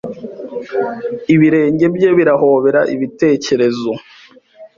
ibirenge bye birahobera Ibitekerezo